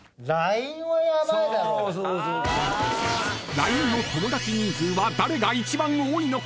［ＬＩＮＥの友だち人数は誰が一番多いのか？］